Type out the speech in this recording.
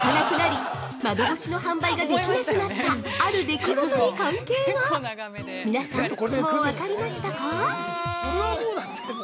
◆窓が開かなくなり、窓越しの販売ができなくなったある出来事に関係が皆さん、もう分かりましたか？